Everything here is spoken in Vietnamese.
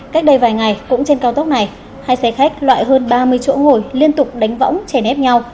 cách đây vài ngày cũng trên cao tốc này hai xe khách loại hơn ba mươi chỗ ngồi liên tục đánh võng chèn ép nhau